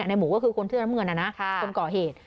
ในหมูก็คือคนเชื่อนเมือนค่ะคนเกาะเหตุ